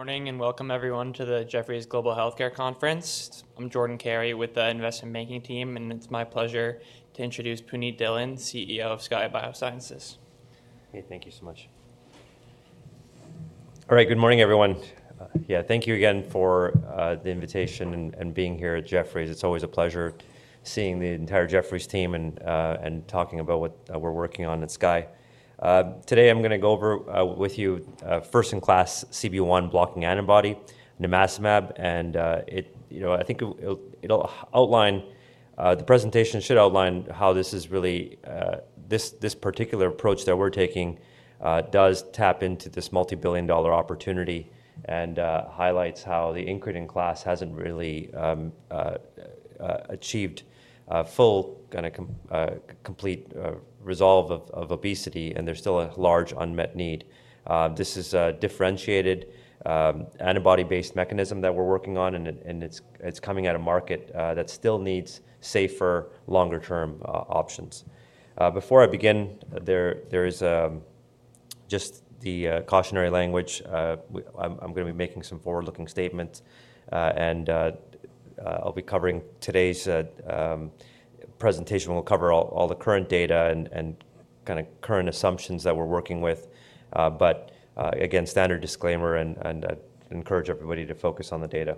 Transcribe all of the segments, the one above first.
Morning, and welcome everyone to the Jefferies Global Healthcare Conference. I'm Jordan Carey with the investment banking team, and it's my pleasure to introduce Puneet Dhillon, CEO of Skye Biosciences. Hey, thank you so much. All right, good morning, everyone. Yeah, thank you again for the invitation and being here at Jefferies. It's always a pleasure seeing the entire Jefferies team and talking about what we're working on at Skye. Today I'm going to go over with you first-in-class CB1 blocking antibody, Nemesimab, and I think it'll outline the presentation should outline how this is really this particular approach that we're taking does tap into this multi-billion dollar opportunity and highlights how the incretin class hasn't really achieved full, kind of complete resolve of obesity, and there's still a large unmet need. This is a differentiated antibody-based mechanism that we're working on, and it's coming out of a market that still needs safer, longer-term options. Before I begin, there is just the cautionary language. I'm going to be making some forward-looking statements, and I'll be covering today's presentation. We'll cover all the current data and kind of current assumptions that we're working with, but again, standard disclaimer, and encourage everybody to focus on the data.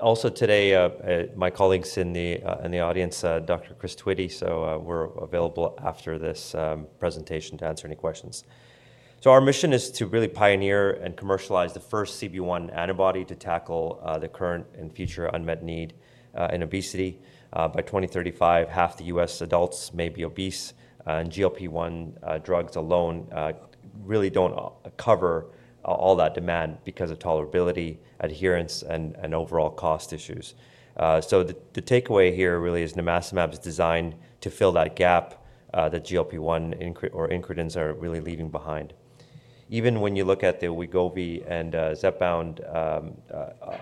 Also today, my colleagues in the audience, Dr. Chris Twitty, so we're available after this presentation to answer any questions. Our mission is to really pioneer and commercialize the first CB1 antibody to tackle the current and future unmet need in obesity. By 2035, half the U.S. adults may be obese, and GLP-1 drugs alone really don't cover all that demand because of tolerability, adherence, and overall cost issues. The takeaway here really is Nemesimab is designed to fill that gap that GLP-1 or incretins are really leaving behind. Even when you look at the Wegovy and Zepbound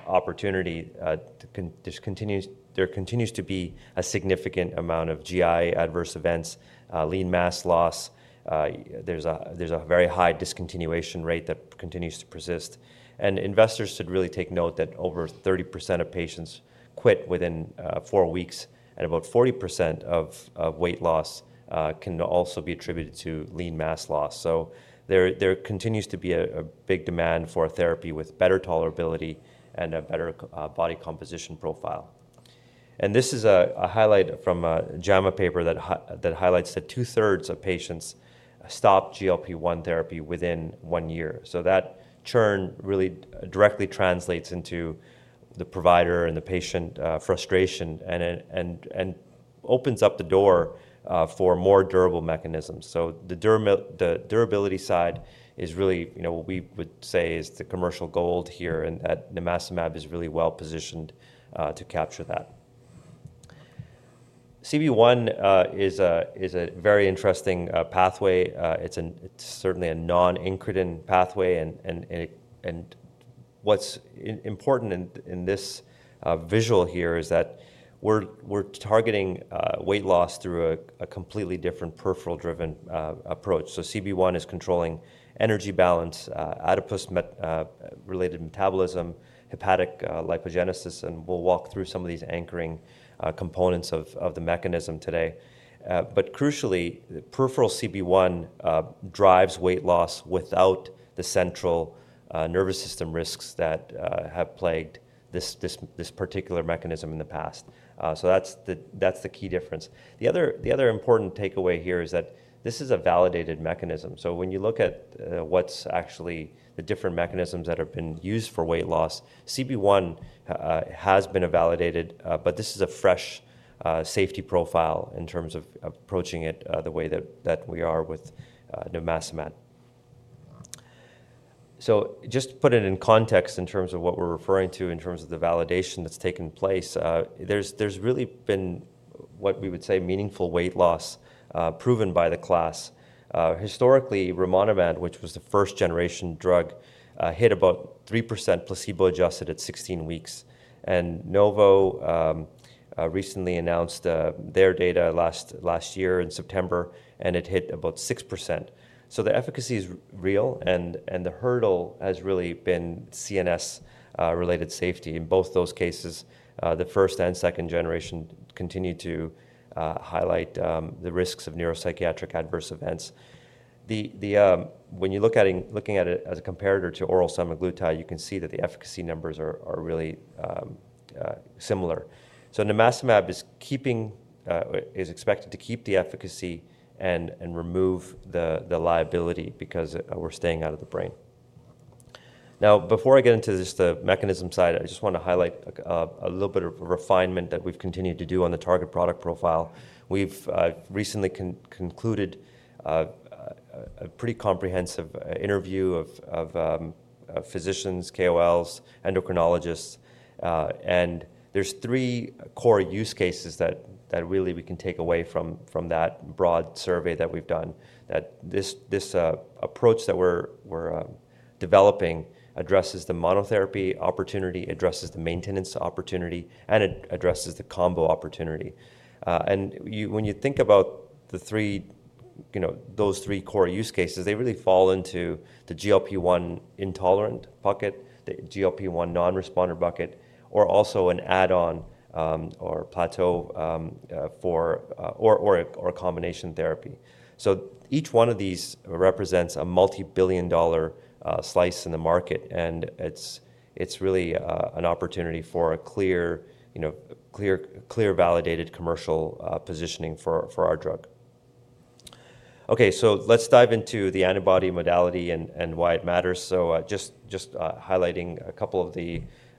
opportunity, there continues to be a significant amount of GI adverse events, lean mass loss. There's a very high discontinuation rate that continues to persist. Investors should really take note that over 30% of patients quit within four weeks, and about 40% of weight loss can also be attributed to lean mass loss. There continues to be a big demand for a therapy with better tolerability and a better body composition profile. This is a highlight from a JAMA paper that highlights that 2/3 of patients stop GLP-1 therapy within one year. That churn really directly translates into the provider and the patient frustration and opens up the door for more durable mechanisms. The durability side is really, you know, we would say is the commercial gold here, and that Nemesimab is really well positioned to capture that. CB1 is a very interesting pathway. It's certainly a non-incretin pathway, and what's important in this visual here is that we're targeting weight loss through a completely different peripheral-driven approach. CB1 is controlling energy balance, adipose-related metabolism, hepatic lipogenesis, and we'll walk through some of these anchoring components of the mechanism today. Crucially, peripheral CB1 drives weight loss without the central nervous system risks that have plagued this particular mechanism in the past. That's the key difference. The other important takeaway here is that this is a validated mechanism. When you look at what's actually the different mechanisms that have been used for weight loss, CB1 has been validated, but this is a fresh safety profile in terms of approaching it the way that we are with Nemesimab. Just to put it in context in terms of what we're referring to in terms of the validation that's taken place, there's really been what we would say meaningful weight loss proven by the class. Historically, rimonabant, which was the first-generation drug, hit about 3% placebo-adjusted at 16 weeks, and Novo recently announced their data last year in September, and it hit about 6%. The efficacy is real, and the hurdle has really been CNS-related safety. In both those cases, the first and second generation continue to highlight the risks of neuropsychiatric adverse events. When you look at it as a comparator to oral semaglutide, you can see that the efficacy numbers are really similar. Nemesimab is expected to keep the efficacy and remove the liability because we're staying out of the brain. Now, before I get into just the mechanism side, I just want to highlight a little bit of refinement that we've continued to do on the target product profile. We've recently concluded a pretty comprehensive interview of physicians, KOLs, endocrinologists, and there's three core use cases that really we can take away from that broad survey that we've done that this approach that we're developing addresses the monotherapy opportunity, addresses the maintenance opportunity, and it addresses the combo opportunity. When you think about those three core use cases, they really fall into the GLP-1 intolerant bucket, the GLP-1 non-responder bucket, or also an add-on or plateau or a combination therapy. Each one of these represents a multi-billion dollar slice in the market, and it's really an opportunity for a clear, clear validated commercial positioning for our drug. Okay, so let's dive into the antibody modality and why it matters. Just highlighting a couple of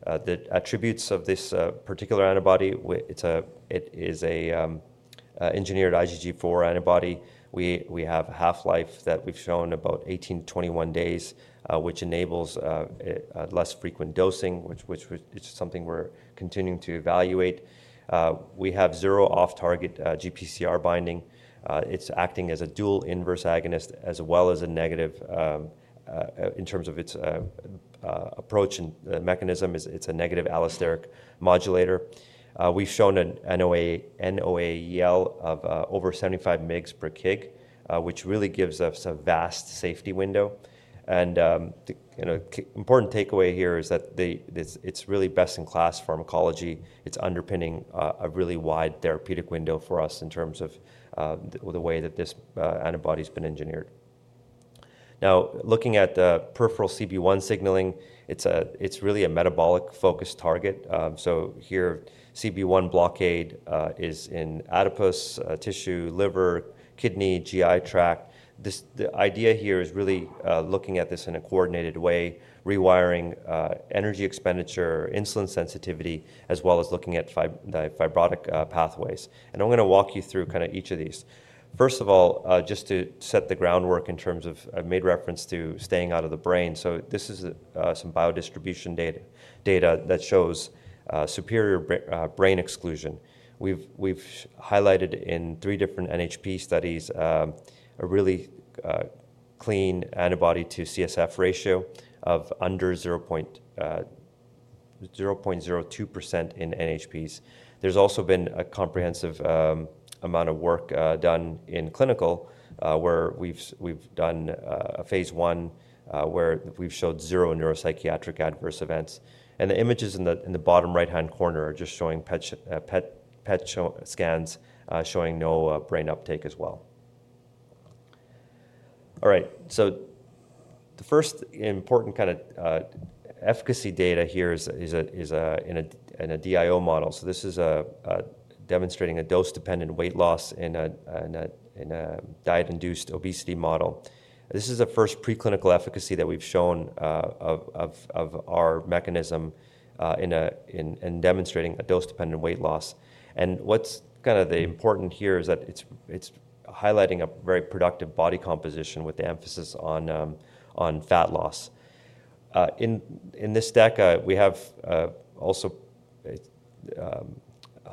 the attributes of this particular antibody. It is an engineered IgG4 antibody. We have half-life that we've shown about 18-21 days, which enables less frequent dosing, which is something we're continuing to evaluate. We have zero off-target GPCR binding. It's acting as a dual inverse agonist as well as a negative in terms of its approach and mechanism. It's a negative allosteric modulator. We've shown an NOAEL of over 75 mg per kg, which really gives us a vast safety window. The important takeaway here is that it's really best-in-class pharmacology. It's underpinning a really wide therapeutic window for us in terms of the way that this antibody has been engineered. Now, looking at the peripheral CB1 signaling, it's really a metabolic-focused target. Here, CB1 blockade is in adipose tissue, liver, kidney, GI tract. The idea here is really looking at this in a coordinated way, rewiring energy expenditure, insulin sensitivity, as well as looking at fibrotic pathways. I'm going to walk you through kind of each of these. First of all, just to set the groundwork in terms of I've made reference to staying out of the brain. This is some biodistribution data that shows superior brain exclusion. We've highlighted in three different NHP studies a really clean antibody-to-CSF ratio of under 0.02% in NHPs. There's also been a comprehensive amount of work done in clinical where we've done a phase I where we've showed zero neuropsychiatric adverse events. The images in the bottom right-hand corner are just showing PET scans showing no brain uptake as well. All right, so the first important kind of efficacy data here is in a DIO model. This is demonstrating a dose-dependent weight loss in a diet-induced obesity model. This is the first preclinical efficacy that we've shown of our mechanism in demonstrating a dose-dependent weight loss. What's kind of important here is that it's highlighting a very productive body composition with the emphasis on fat loss. In this deck, we have also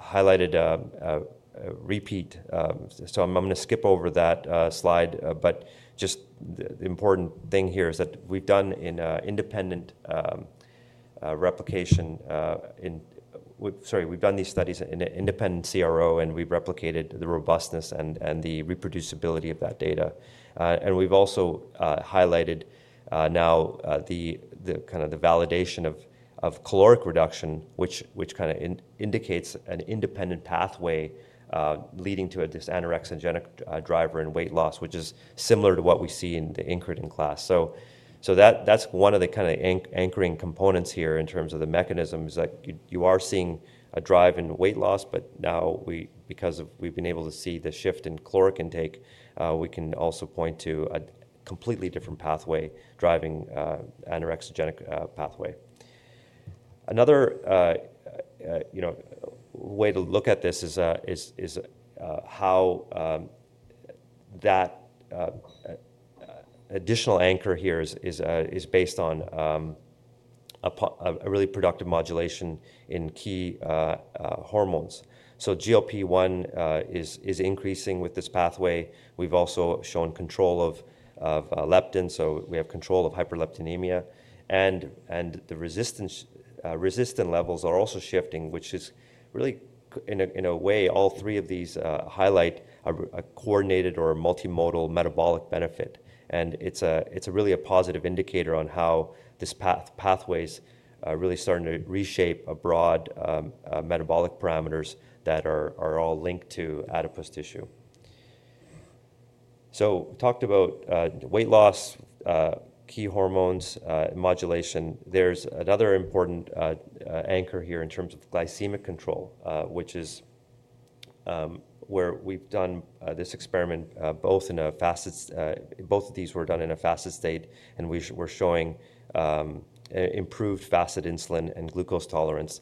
highlighted repeat. I'm going to skip over that slide, but just the important thing here is that we've done these studies in independent CRO, and we've replicated the robustness and the reproducibility of that data. We've also highlighted now the kind of the validation of caloric reduction, which kind of indicates an independent pathway leading to this anorexogenic driver in weight loss, which is similar to what we see in the incretin class. That's one of the kind of anchoring components here in terms of the mechanism is that you are seeing a drive in weight loss, but now because we've been able to see the shift in caloric intake, we can also point to a completely different pathway driving anorexogenic pathway. Another way to look at this is how that additional anchor here is based on a really productive modulation in key hormones. GLP-1 is increasing with this pathway. We've also shown control of leptin, so we have control of hyperleptinemia, and the resistant levels are also shifting, which is really in a way all three of these highlight a coordinated or multimodal metabolic benefit. It's really a positive indicator on how this pathway is really starting to reshape broad metabolic parameters that are all linked to adipose tissue. We talked about weight loss, key hormones, modulation. There's another important anchor here in terms of glycemic control, which is where we've done this experiment both in a fasted—both of these were done in a fasted state, and we're showing improved fasted insulin and glucose tolerance,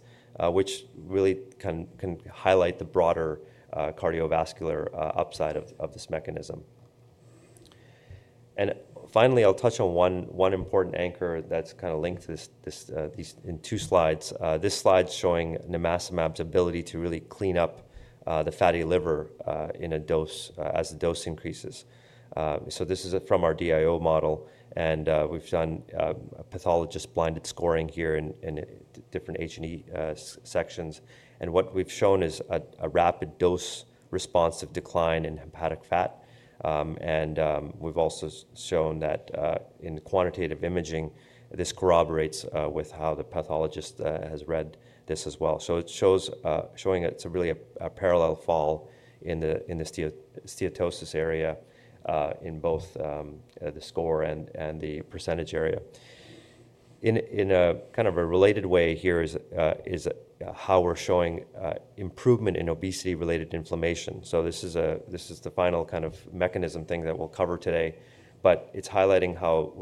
which really can highlight the broader cardiovascular upside of this mechanism. Finally, I'll touch on one important anchor that's kind of linked in two slides. This slide's showing Nemesimab's ability to really clean up the fatty liver in a dose as the dose increases. This is from our DIO model, and we've done pathologist-blinded scoring here in different H&E sections. What we've shown is a rapid dose-responsive decline in hepatic fat. We've also shown that in quantitative imaging, this corroborates with how the pathologist has read this as well. It's showing it's really a parallel fall in the steatosis area in both the score and the percentage area. In a kind of a related way, here is how we're showing improvement in obesity-related inflammation. This is the final kind of mechanism thing that we'll cover today, but it's highlighting how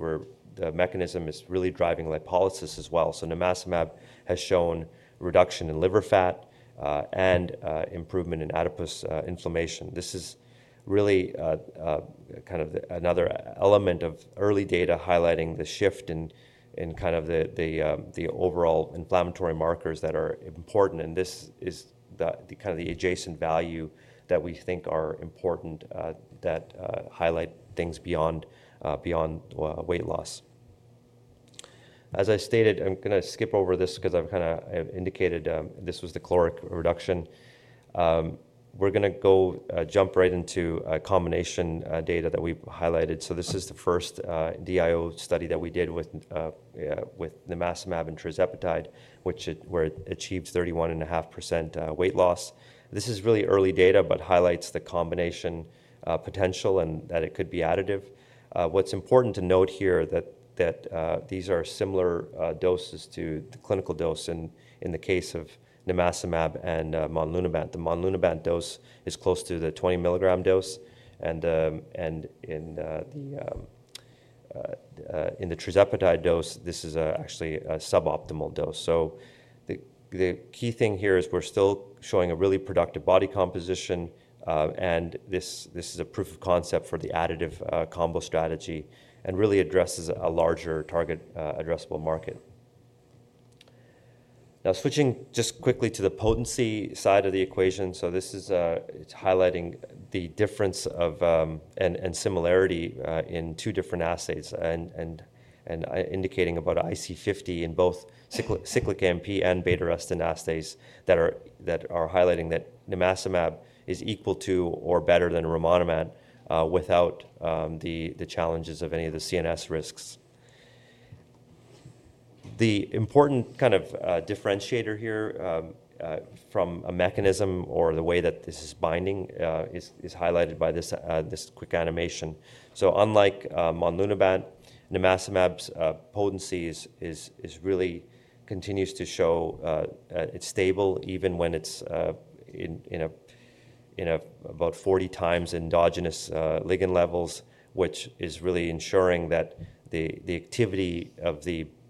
the mechanism is really driving lipolysis as well. Nemesimab has shown reduction in liver fat and improvement in adipose inflammation. This is really kind of another element of early data highlighting the shift in kind of the overall inflammatory markers that are important. And this is kind of the adjacent value that we think are important that highlight things beyond weight loss. As I stated, I'm going to skip over this because I've kind of indicated this was the caloric reduction. We're going to jump right into combination data that we've highlighted. This is the first DIO study that we did with Nemesimab and tirzepatide, which achieved 31.5% weight loss. This is really early data, but highlights the combination potential and that it could be additive. What's important to note here is that these are similar doses to the clinical dose in the case of Nemesimab and rimonabant. The rimonabant dose is close to the 20 mg dose, and in the tirzepatide dose, this is actually a suboptimal dose. The key thing here is we're still showing a really productive body composition, and this is a proof of concept for the additive combo strategy and really addresses a larger target addressable market. Now, switching just quickly to the potency side of the equation, this is highlighting the difference and similarity in two different assays and indicating about IC50 in both cyclic AMP and beta-arrestin assays that are highlighting that Nemesimab is equal to or better than Rimonabant without the challenges of any of the CNS risks. The important kind of differentiator here from a mechanism or the way that this is binding is highlighted by this quick animation. Unlike rimonabant, Nemesimab's potency really continues to show it's stable even when it's in about 40x endogenous ligand levels, which is really ensuring that the activity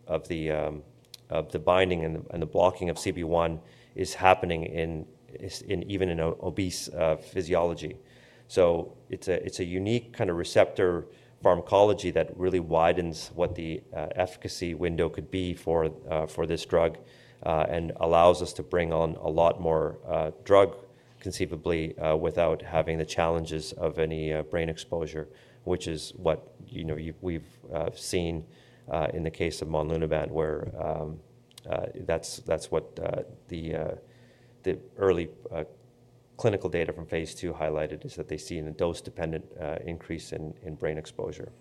of the binding and the blocking of CB1 is happening even in obese physiology. It's a unique kind of receptor pharmacology that really widens what the efficacy window could be for this drug and allows us to bring on a lot more drug conceivably without having the challenges of any brain exposure, which is what we've seen in the case of rimonabant, where that's what the early clinical data from phase II highlighted is that they see a dose-dependent increase in brain exposure.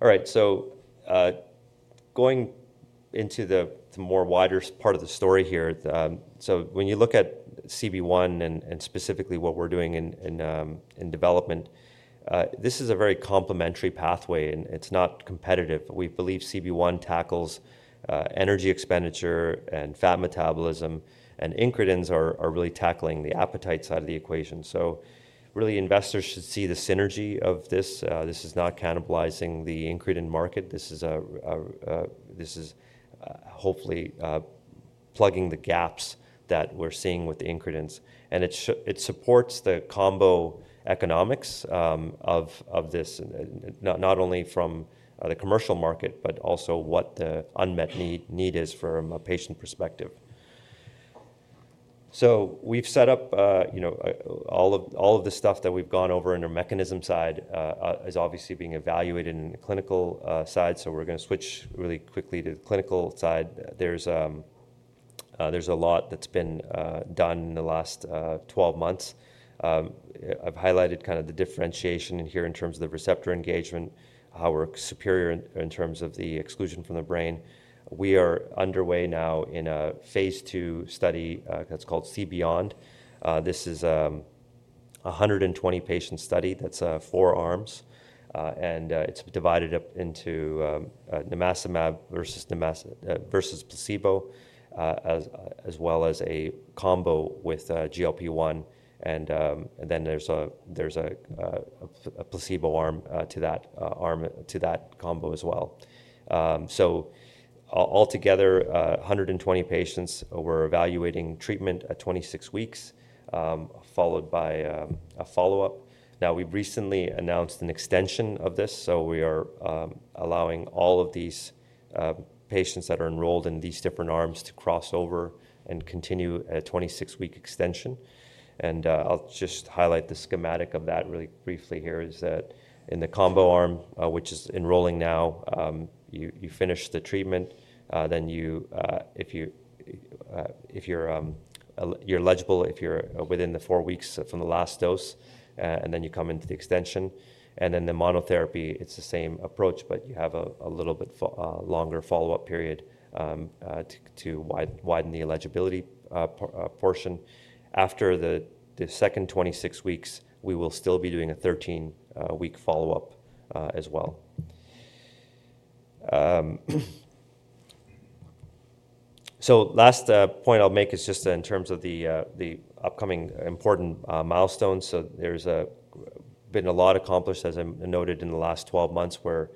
All right, going into the more wider part of the story here, when you look at CB1 and specifically what we're doing in development, this is a very complementary pathway, and it's not competitive. We believe CB1 tackles energy expenditure and fat metabolism, and incretins are really tackling the appetite side of the equation. Investors should see the synergy of this. This is not cannibalizing the incretin market. This is hopefully plugging the gaps that we're seeing with the incretins. It supports the combo economics of this, not only from the commercial market, but also what the unmet need is from a patient perspective. We've set up all of the stuff that we've gone over in our mechanism side is obviously being evaluated in the clinical side. We're going to switch really quickly to the clinical side. There's a lot that's been done in the last 12 months. I've highlighted kind of the differentiation here in terms of the receptor engagement, how we're superior in terms of the exclusion from the brain. We are underway now in a phase II study that's called CBEYOND. This is a 120-patient study that's four arms, and it's divided up into Nemesimab versus placebo, as well as a combo with GLP-1. There is a placebo arm to that combo as well. Altogether, 120 patients, we're evaluating treatment at 26 weeks, followed by a follow-up. We have recently announced an extension of this, so we are allowing all of these patients that are enrolled in these different arms to cross over and continue a 26-week extension. I'll just highlight the schematic of that really briefly here is that in the combo arm, which is enrolling now, you finish the treatment, then if you're eligible, if you're within the four weeks from the last dose, you come into the extension. The monotherapy, it's the same approach, but you have a little bit longer follow-up period to widen the eligibility portion. After the second 26 weeks, we will still be doing a 13-week follow-up as well. The last point I'll make is just in terms of the upcoming important milestones. There's been a lot accomplished, as I noted in the last 12 months, where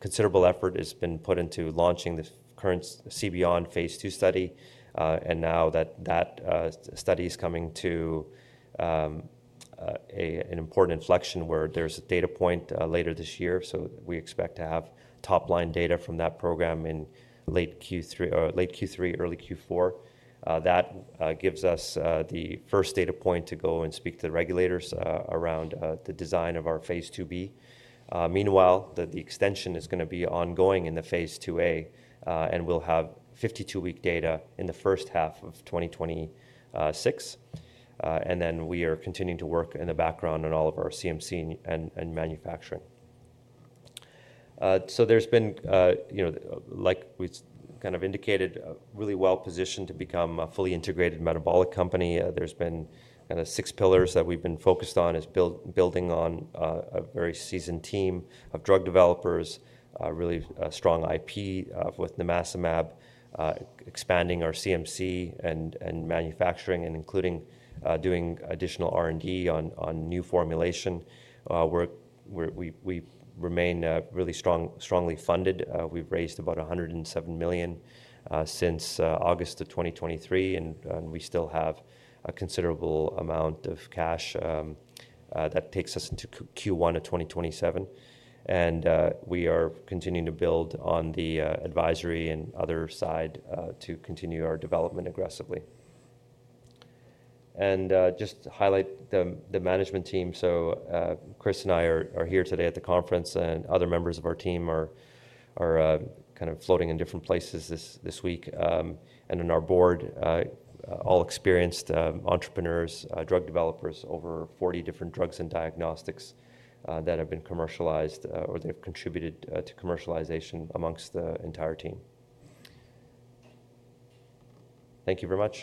considerable effort has been put into launching this current CBEYOND phase II study. Now that study is coming to an important inflection where there's a data point later this year. We expect to have top-line data from that program in late Q3, early Q4. That gives us the first data point to go and speak to the regulators around the design of our phase IIB. Meanwhile, the extension is going to be ongoing in the phase IIA, and we'll have 52-week data in the first half of 2026. We are continuing to work in the background on all of our CMC and manufacturing. Like we kind of indicated, really well-positioned to become a fully integrated metabolic company. There have been kind of six pillars that we've been focused on, building on a very seasoned team of drug developers, really strong IP with Nemesimab, expanding our CMC and manufacturing, and including doing additional R&D on new formulation. We remain really strongly funded. We've raised about $107 million since August of 2023, and we still have a considerable amount of cash that takes us into Q1 of 2027. We are continuing to build on the advisory and other side to continue our development aggressively. Just to highlight the management team, Chris and I are here today at the conference, and other members of our team are kind of floating in different places this week. In our board, all experienced entrepreneurs, drug developers, over 40 different drugs and diagnostics that have been commercialized or they've contributed to commercialization amongst the entire team. Thank you very much.